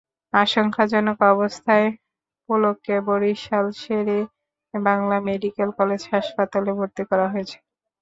আশঙ্কাজনক অবস্থায় পুলককে বরিশাল শেরে-ই বাংলা মেডিকেল কলেজ হাসপাতালে ভর্তি করা হয়েছে।